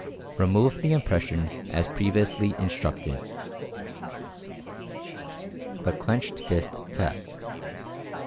Remove the impression as previously instructed. THE "CLENCHED FIST" TEST.